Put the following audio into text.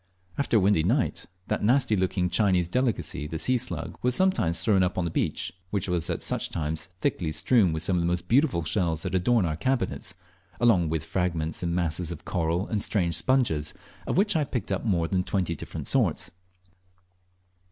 After a windy night, that nasty looking Chinese delicacy the sea slug was sometimes thrown up on the beach, which was at such times thickly strewn with some of the most beautiful shells that adorn our cabinets, along with fragments and masses of coral and strange sponges, of which I picked up more than twenty different sorts.